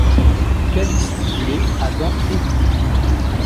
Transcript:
Calice tubulé à dents aigües.